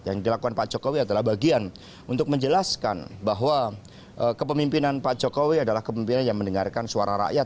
yang dilakukan pak jokowi adalah bagian untuk menjelaskan bahwa kepemimpinan pak jokowi adalah kepemimpinan yang mendengarkan suara rakyat